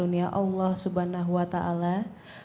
dengan senantiasa bersyukur atas segala karunia allah swt